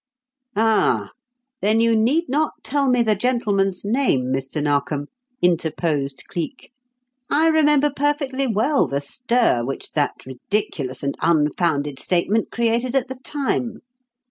"Ah, then you need not tell me the gentleman's name, Mr. Narkom," interposed Cleek. "I remember perfectly well the stir which that ridiculous and unfounded statement created at the time.